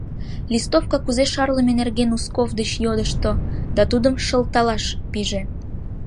Листовка кузе шарлыме нерген Узков деч йодышто да тудым шылталаш пиже.